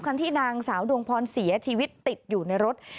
ที่นางสาวดวงพรเสียชีวิตติดอยู่ในรถ